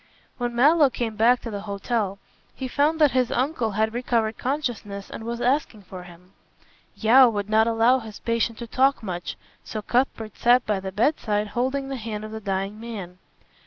When Mallow came back to the hotel he found that his uncle had recovered consciousness and was asking for him. Yeo would not allow his patient to talk much, so Cuthbert sat by the bedside holding the hand of the dying man.